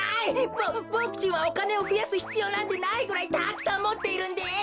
ボボクちんはおかねをふやすひつようなんてないぐらいたくさんもっているんです！